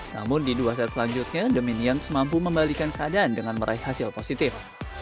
namun di dua set selanjutnya the minions mampu membalikan keadaan dengan meraih hasil positif